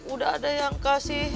udah ada yang kasih